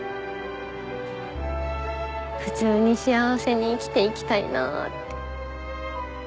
普通に幸せに生きて行きたいなって。